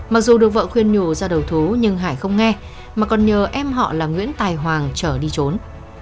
mặc dù được vợ khuyên nhủ ra đầu thú nhưng hải không nghe mà còn nhờ em họ là nguyễn tài hoàng trở đi trốn